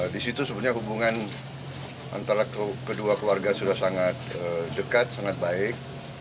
di situ sebenarnya hubungan antara kedua keluarga sudah sangat dekat sangat baik